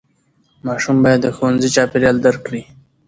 ماشوم باید د ښوونځي چاپېریال درک کړي.